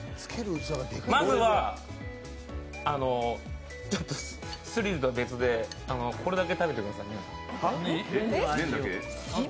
まずは、スリルとは別でこれだけ食べてくださいね。